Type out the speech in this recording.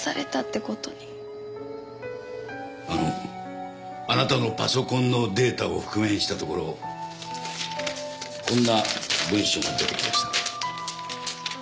あのあなたのパソコンのデータを復元したところこんな文書が出てきました。